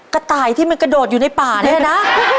กระต่ายที่มันกระโดดอยู่ในป่าเนี่ยนะ